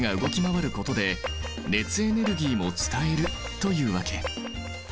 というわけ。